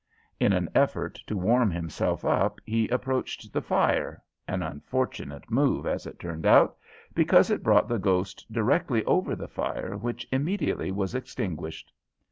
In an effort to warm himself up he approached the fire, an unfortunate move as it turned out, because it brought the ghost directly over the fire, which immediately was extinguished.